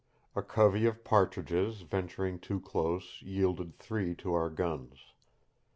A covey of partridges venturing too close yielded three to our guns.